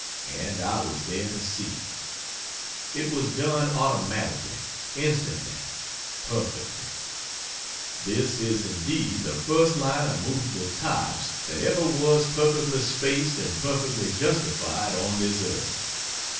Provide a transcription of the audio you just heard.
And I was there to see. It was done automatically instantly perfectly. This is indeed the first line of movable types that ever was perfectly spaced and perfectly justified on this earth.